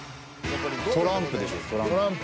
「トランプ」でしょ「トランプ」。